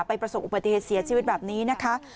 ไปประสบอุปติเสียชีวิตแบบนี้นะคะ